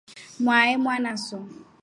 Mwahe mwanaso.